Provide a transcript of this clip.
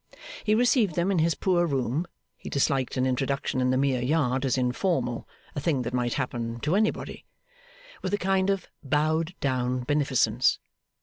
He received them in his poor room (he disliked an introduction in the mere yard, as informal a thing that might happen to anybody), with a kind of bowed down beneficence.